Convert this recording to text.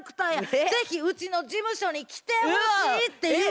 是非うちの事務所に来てほしい」っていう。